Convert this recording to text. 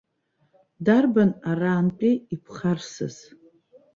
Дарбан арантәи иԥхарсыз?